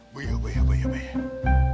baik baik baik